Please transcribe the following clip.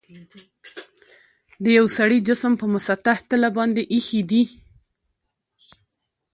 یو سړي جسم په مسطح تله باندې ایښي دي.